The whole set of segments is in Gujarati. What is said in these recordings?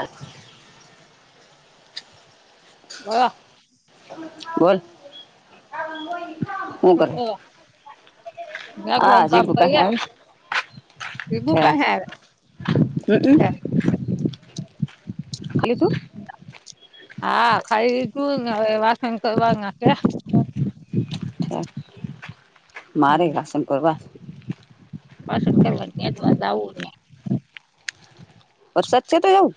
અ. [unintelligible] બોયા. બોલ શું કરે. રાગવાન હા હજી કુકા [unintelligible] આવે [unintelligible] હમ હેે ખાલી તું. હા ખાઈ ગું હવે વાસણ કરવાના છે. મારે વાશમ કરવા. વાસણ કરવાની ત્યાદવા આવું હી. ઓ સચે તો જા.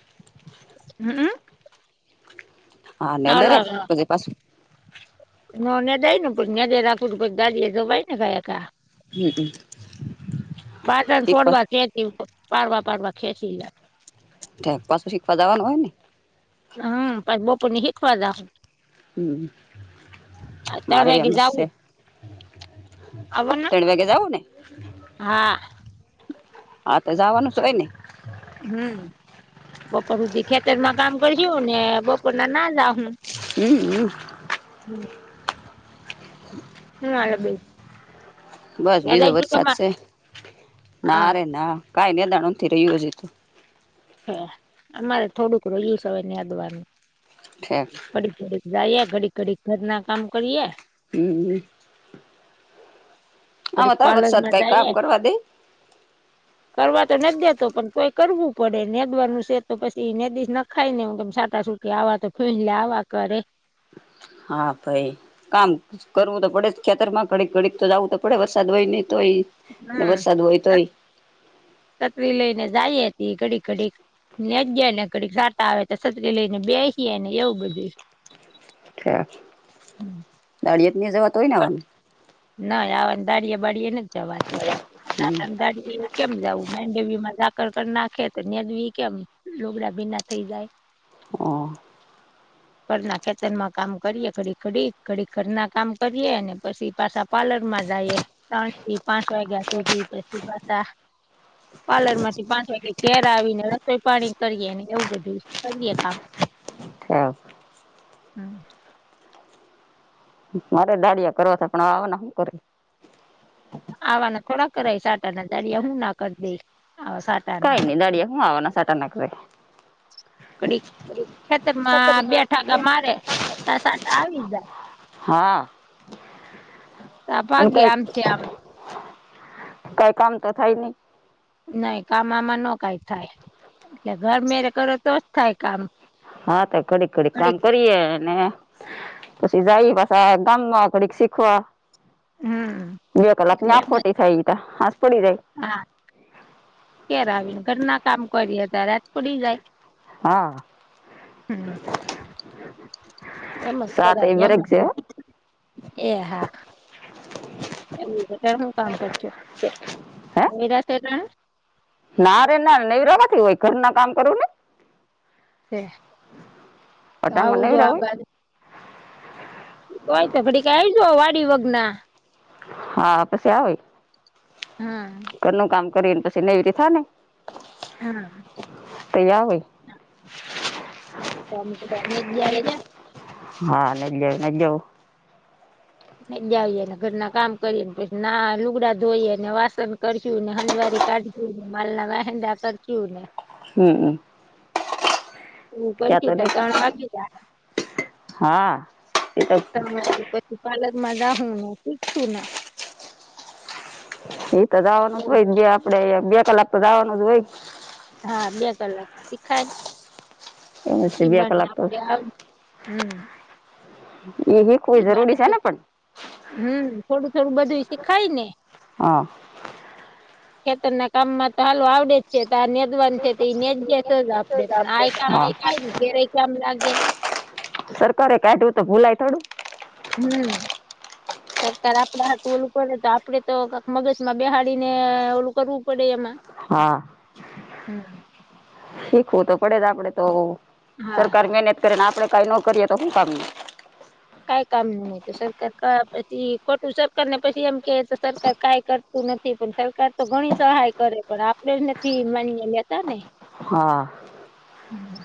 હમ્મ હમ્મ હા અને દરેક પછ પાછ. નોને જઈ ન ભૂગણ્યા દે રા ફુર ભ દાદીએ તો ભાઈ ને ગયાકા. હમ બાટન શીખવા છોડવા કે. એ પાડવા પાડવા ખેંચી લ. ત પાછું શીખવા જવાનું હોય ને. હા પણછ બપ ની હિખવા જ. હમ હ તણ મારે વાગે એમ જ છે જવું. આવોને ત્રણ વાગે જવું ને હા. હા તો જવાનું છે હોય નહ. હમ્મ બપોર સુધી ખેતરમાં કામ કરજ ને બપોર ના નાંદ હું. હમ હમ. હ હમ બે. બસ બીજો વ જ સાચશે ના હા ર ના કાઈ ને દાણુંથી રહ્યું જ તું. હ અમારે થોડુંક રહયુંસ હવે ની આદવાનું. ફઠેક. કડી કડી જઈએે ઘડી ઘડી ઘર ના કામ કરીએ હમ્મ ઘડીક આમાં તો આ વરસાદ પાર્લરમાં કઈ કામ જઈએ કરવા દે કરવા તો ન દેતો પણ કોઈ કરવું પડે નેદવાનું છે તો પછી નેદીશ નખાય ને કેમ સાટા સુટ કે આવા તો ફ લ આવા કરે હા ભાઈ કામ કરવું તો પડે ખેતર માં ઘડીક ઘડીક તો જવું તો પડે વરસાદ હોય નહ તોય ને હમ વરસાદ હોય તોય તતરી લઈને જાય હતી ઘડી ઘડી ને જયા ને કડી સાતા આવે તો સતરી લઈ ને બેસીએ ને એવું બધું અ દાળિયેત ની જવાત હોય ને આવવાનું નાહી આ અંધારીયે બળી ન જવાતું અંધારીયે કેમ જવ ડવી માં સાકર કર નાખે તો નેડવી કેમ લોગડા ભીના થઈ જાય હ ખરના ખેચરમાં કામ કરીએે ખડી ખડી ખડી ખરના કામ કરીએે અને પછી પાછા પાર્લર માં જઈએ ત્રણ થી પાંચ વાગ્યા સુધી પછી પાછ પાર્લર માંથી પાંઠ વાગે ઘેર આવીને રસોઈ પાણી કરીને એવું બધું કરીએ કામ હ હમ મારે દાડિયા કરો પણ આવે ને શું કર આવાના થોડાક કર સાટાના દાડી હું ના કરી દઈશ આવા સાટા કઈ ન દાડીયા હું આવવાના સાટા નાખશે [inaudible] કડી ખેતર માં બેઠા ગા મારે ત સાટા આવી જાય હા આ પણ ભાગે કઈ આમ છે આમ કઈ કામ તો થાય નહી નહી કામ આમાં ન કઈ થાય એટલે ઘર મેરે કરો તો જ થાય કામ હા તો કડીક કડીક કામ ઘડીક કરીએ ને પછી જાય પાછા ગામમાં ઘડીક શીખવા હમ બે એટલે કલાકને એમ જ ખોટી થઈ ગ ત હાસ પડી જાય હા કેયારે આવીને ઘરના કામ કરીએ ત્યારેત પડી જાય હા હમ એમ જ સાત કરાય એ બર એમ જ છે હોય એ હા હું કામ હે કરજોરાશે ત ના રે ના નવરાવાથી હોય ઘર ના કામ કરવું ને અટાણમાં આવું જો નૈરા આ હોય બાજ તોય તો ખડી ક આવીજ વાડી વગના હા પસ્યા હા હોય કનું કામ કરીને પછી નહીવીથી થા ને હા તયા ભય નીગ્યા આવી ગયા હા નલ નલવ જ આવીએને ઘરના કામ કરી ને પછી ના લુગડા ધોઈ ને વાસણ કર્યું ને હંજવારી કજું ને મળલનામાંદા કર કું ને હમ હમ ત્યાં તો પછી ત નહીં ત્રણ વાગે ત હા એ તો ત્રણ વાગે તપાલર મજા હો શું છું ના એ તો દાવાનું જ એવું હોય બધું. જે આપડે બે કલાક તો દાવાનું જ હોય હા બે કલાક શીખાય એમ છે ઈ બે બને કલાક તો આપણે હમ હ ને હમ થોડું થોડું બધું શીખાય ને હા ખેતર ના કામમાં તો હાલો આવડે જાય તે આ નેદવાનુ તે તો નેદજે. તો આપડે પણ આઈ કામથી ખાય ને ધેરય કે આમ લાગે. સરકારે કાઢું તો ભૂલાય થોડું. હમ. હ [inaudible] સરકારે આપણા હાટું ઓલું કરે તો આપડે તો કાક મગજ માં બેહાડીને અ ઓલું કરવું પડે એમાં હા હમ શીખવું તો પડે જ આપડે તો. હા સરકાર મહેનત કરે ને આપણે કઈ ના કરીએ તો હું કામ નુ. કઈ કામ નુ હોય સરકાર કયાં પછી ખોટું સરકાર ને પછી એમ કે તો સરકાર કઈ કર તુ નથી પણ સરકાર તો ઘણી સહાય કરે પણ આપડે જ નથી માનીય લેતા ને. હા. હમ.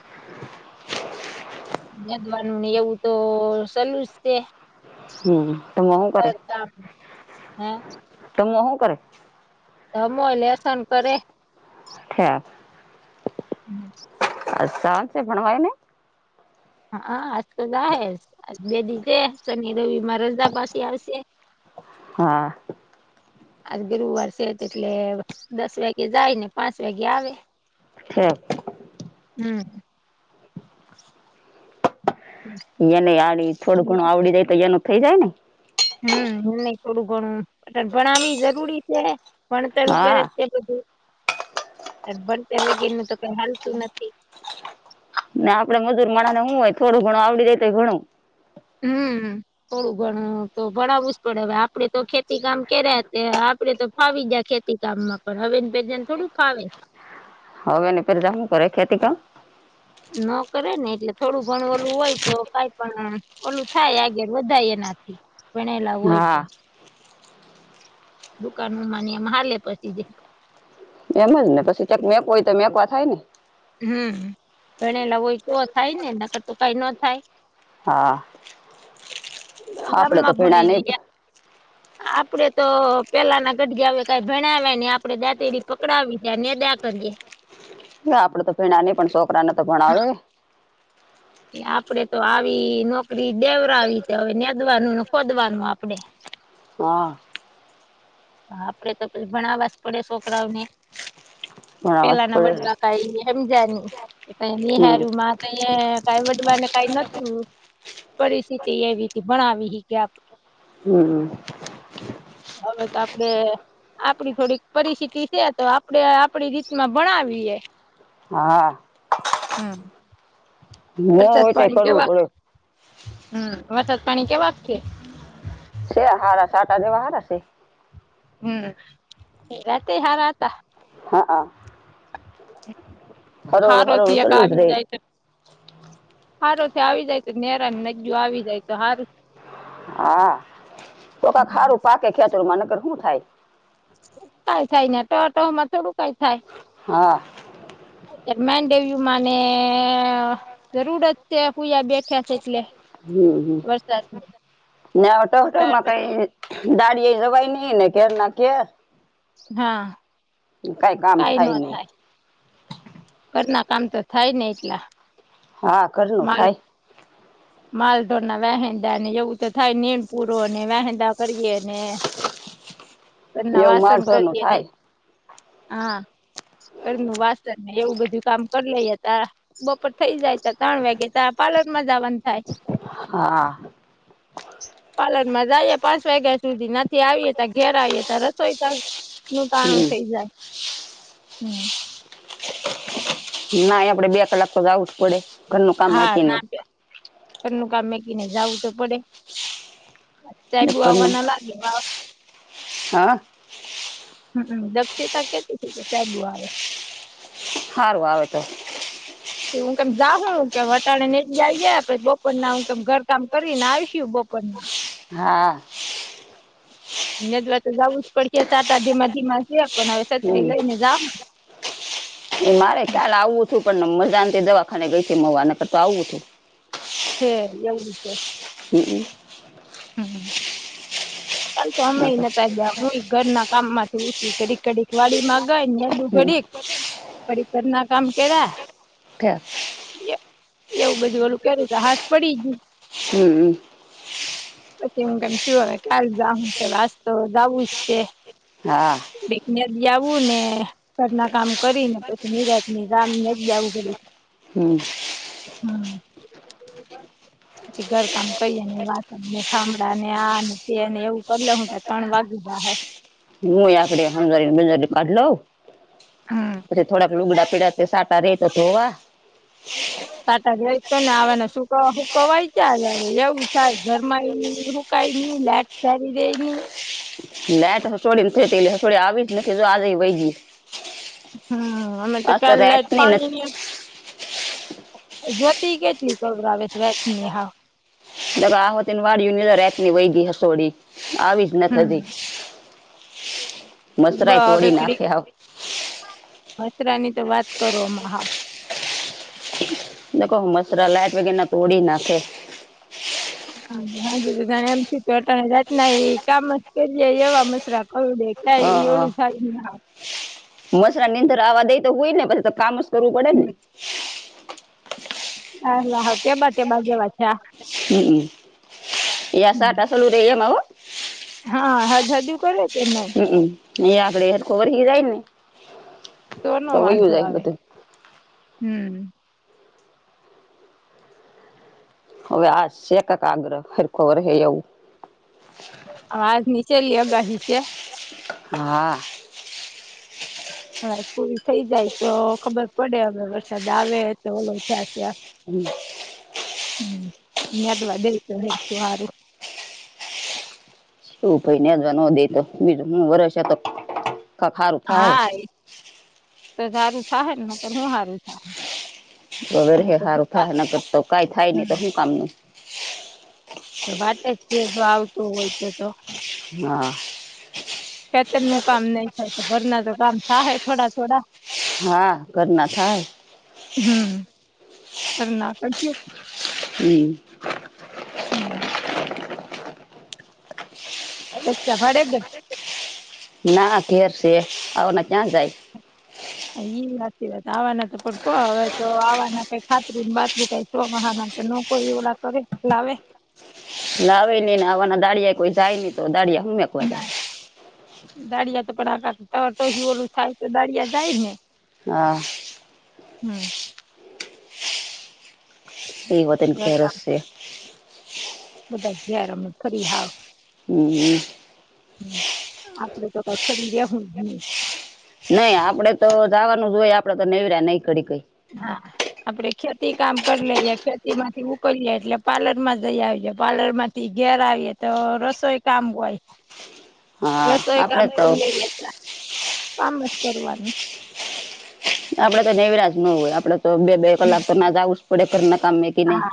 નેદવાનુ એવું તો સેલુંજ છે. હમ ઘમુ હું કરે કામ હે તો હું કરે. ઘમુ એ લેસન કરે. છેઠ એ અ સા છે ભણવાઈ ને હા આજ તો નાહે જ આ બે દિ થયા શનિ રવિ મા રજા પાસે આવશે. હા. આજ ગરુવાર છે તો એટલે દસ વાગે જાય ને પાંચ વાગે આવે. હું. હમ. યેને આડી થોડું ઘણું આવડી જાય તો એનું થઈ જાય ને. હમ નહી થોડું ઘણું બટ ભણાવી જરૂરી છે ભણતર પે. હા બધું આજ ભણતર વગે નું તો કઈ હાલતું નથી. ને આપડે મજૂર મણા ને હું હોય થોડું ઘણું આવડી જાય તે ઘણું. હમ હમ. થોડું ઘણુ તો ભણાવવું જ પડે હવે આપડે તો ખેતી કામ કર્યા હતા આપડે તો ફાવી જાય ખે તી કામ માં પણ હવે પેજાને થોડું ફાવે. હવે ની પેરજા હું કરે ખેતી કામ. ન કરે ને એટલે થોડું ઘણ ઓલું હોય તો કઈ પણ ઓલું થાય આગળ વધાય એનાથી ભણેલા હોય હા તો. દુકાન માની એમ હાલે પછી. એમ જ ને પછી કયાક મેપ હોય તો મેકવા થાય ને. હમ ભણેલા હોય તો થાય ને નકતા કાઈ ન થાય. હા આપડે તો ગામમાં ભેણા ભણે ને નહી. આપડે તો પેલાના ઘડગીયે આવે કઈ ભણાવ્યા નહિ આપડે દાંતેડી પકડાવી ગયા નેદા કરીએે. હ આપડે તો ભેણાને પણ છોકરા ના તો ભણાવે. એ આપડે તો આવી નોકરી દેવરાવી તો હવે નેદવાનું ને ખોદવાનું આપડે હા. આપડે તો પેલ ભણાવવા જ પડે છોકરાઓને ભણાવવા જ પેલાના પડે ને વડવા ખાઈને. હેમજાની તો હમ નિહાર્યું મા તહી કઈ વડવા ને કઈ નોતું. પરિસ્થિતિ એવી ભણાવી હ કે આપ. હમ. હવે તો આપડે. આપડી થોડીક પરિસ્થિતિ છે તો આપડે આપડી રીતમાં ભણાવીએે. હા. હમ. મો વરસાદ હોય તો પાણી કરવું કેવા પડે હમ વરસાદ પાણી કેવા છે. સ હાર સા આટા જેવહારશે હમ્મ રાતે હાર આ હતા હા હા હરોળું ખારો છ હરોળું એક ચલું જ આવી રે જાય હારો થી આવી જાય તો નેરા નદીઓ આવી જાય તો સારું હા તો ક ખારું કઈ પાકે ખેતર મા નગર હું થાય કાંઈ થાય ને ટ ટ માં થોડુંકાય થાય હા અ મેનડેવયમાંને જરૂર જ છે પૂજા બેઠ્યા છે એટલે હમ્મ હમ્મ વરસાદની વટવટમાં કઈ દાળિ એ જવાય નહી ને કે ના કે હા કઈ ન થાય ઘરના કામ તો થાય ને એટલા હા કરનું થાય માલઢોના વેહેંદા ને એવું તો થાય નીણ પૂરોને વહેંદા કરીએ ને પણ એવું નવાસન માલઢોરનું કરીએ ને થાય હા કરનું વાસન ને એવું બધું કામ કરી લે હતા બપર થઇ જાય ત ત્રણ વાગે ત પાર્લર માં જવાનું થાય હા પાર્લર માં જઈએ પાંચ વાગ્યા સુધી ના આવીએ ત ઘેર આવીએ ત રસોઈ ત નું કારાણું હમ થઇ જાય હમ્મ ના આપડે બે કલાક તો જાઉં છું પડે ઘરનું કામ હા વચ્ચે ના નહી વ્યા ઘરનુ કામ મેકીને જવું તો પડે સાઈબુ ઘરનું આવવાના લાગે હા હમ્મ દક્ષિતા કેટ કે ચાગું આવે સારું આવે તો હું કેમ દખ કે વટાણ ને આવી ગયા પછી બપરના હું કેમ ઘર કામ કરીને આવશ બપર ના હા દ્વાર તો જવું જ પડશે સાટા ધીમા ધીમા છે પણ હવે સત્રી હમ લઈ ને જાવને એ મારે કાલ આવું હતું પણ મજા દવાખાને ગઈ છે મવાને તો આવું હતું હે એવડું છે હમ્મ હમ્મ ચાલ તો અમે નકર, એને ત્યા જ ન ઘરના કામ માંથી ઉછ કડીક કડીક વાડી માંગાય ડું હમ. ઘડીક પરડીકરના કામ કેવા [unintelligible] એવું બધું ઓળું કર્યું ત હાથ પડી હમ્મ પછી હું કેમ શું હવે ક્યાલું કે વાસતો જવું જ છે હા બેકને આવું ને ઘર ના કામ કરી ને પછી નિરાશ ની ગામ જ આવું પડ્યું હમ્મ હમ્મ ઘર કામ કરીએ ને વાત થામળા ને આ અને તેને એવું કરી લ હું ત ત્રણ વાગીધા હ હું આપડે હમને બજ કાઢ લઉ હમ પછી થોડાક લુગડા પીડા સા તે તો થોવા છાટા જાય તો ને આવાને હુકવાય છેયા એવું થાય ઘર માં એ ખાયની લેટ સારી દઈની લાઈટ તો હસોડીને નથી હસોડી આવી જ નથી જો આજેય વય ગય હમ અમે તો કાલ લાઈટ રાતની નથી પાણીની જ્યોતિ કેટલી સવરાવે રાતની હા દગા આોતીને વાડીું રાતની વય ગ હસોડી આવી જ ના હમ થતી [unintelligible] મચ્છરાઈ બ તોળી નાખે સાવ મચ્છરાની તો વાત કરોમાં હા કવ હુ મચ્છરા લાઇટ વગર ના તોડી નાખે હા હા ત એમથી તોાત ના કામ જ કરીએે એવા મશરા પડે [unintelligible] હ હ મચ્છરા નીંદર આવા દઈ તો સુય ને પછી તો કામ કરવું પડે ને હા વાહો ટેબા ટેબા જેવા છે. હમ એયા સાટા ચાલું રહે એમા હા હા હદ હદ કરે છે ન હમ એ આપડે સરખો વરહી જાયને તો નો વાંધો આવે હમ. હવે આશે એક આગ્રહ સરખો વરસે એવું. આજ ની છેલ્લી આગાહી છે. હા હવે પૂરી થઇ જાય તો ખબર પડે અવે વરસાદ આવે તો ઓલો થયા છે. હમ હમદવા બે હું આારું [inaudible] એું પાઈને અજવા ન દે તો બીજ હ વર્ષ તો [unintelligible] થાય હા તો સારું થા હેને નયતર હું સારું થાહે હવે ર નકર હારું દુકાન થાય તો કઈ થાય નહી તો શું હમ કામ નુ. તો વાતે જ છે જો આવતું હોય તો તો હા ખેતર નું કામ નહી થાય ઘરના તો કામ થાહે થોડા થોડા. હા ધરના થાહે હમ ધર ના કરશું. હમ હમ ભાડે ના ધેર છે આવા ક્યાં જાય? ઈ જ વાત આવાના તો પણ કો હવે તો આવાના કઈ ખાતરું બાતરુ કાંઈ તો મહ હાના ન કો એવડા કરે લાવ [unintelligible] લાવે નઈ ને આવવાના દાડિયા કોઈ જાય નહી તો દાળિયા હુંમે ના દાળિયા તો પણ આ ટહ ટહયુ ઓલું થાય તો દાળિયા જાય ને હા હમ એવતન કે ઘરકામ રસ છે. બધા ઘેર અમે ફરી હાવ હમ હમ હમ આપડે તો કઈ ફરી રહુ જ નય નઈ આપડે તો જવાનું જ હોય આપડે તો નવર્યા નઈ કડી કઈ. હા આપડે ખેતી કામ કરી લઈએ ખેતી માંથી ઉકેલી એટલે પાર્લર માં જઈ આવી પાર્લર માંથી થી ઘેર આવીએ તો રસોઈ કામ હોય. હા રસોઈ આપડે કામ તો કરી લઈએ કામ જ કરવાનું. આપડે તો નનેવરાજ ન હોય આપડે તો બે બે કલાક તો ના જું જ પડે ઘરના કમે કે નહી. હા